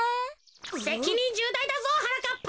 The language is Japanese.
せきにんじゅうだいだぞはなかっぱ。